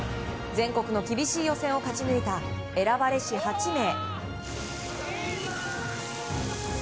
全国の厳しい予選を勝ち抜いた選ばれし８名。